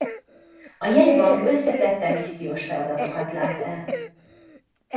A jegybank összetett emissziós feladatokat lát el.